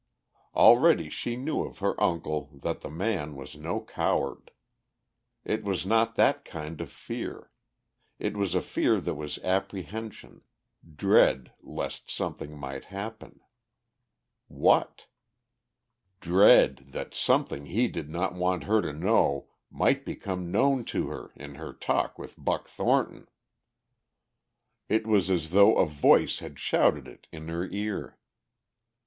Already she knew of her uncle that the man was no coward. It was not that kind of fear; it was a fear that was apprehension, dread lest something might happen. What? "Dread that something he did not want her to know might become known to her in her talk with Buck Thornton!" It was as though a voice had shouted it in her ear.